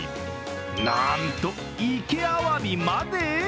なんと、いけアワビまで！